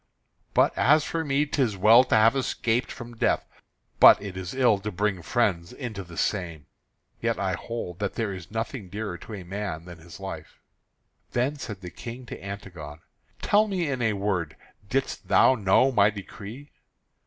But as for me, 'tis well to have escaped from death, but it is ill to bring friends into the same. Yet I hold that there is nothing dearer to a man than his life." Then said the King to Antigone: "Tell me in a word, didst thou know my decree?"